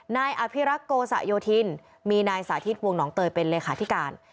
นายอภิรักษ์โกสะโยธินมีนายสาธิตวงหนองเตยเป็นเลขาธิการ